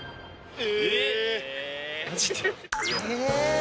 え。